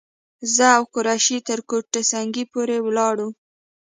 زه او قریشي تر کوټه سنګي پورې ولاړو.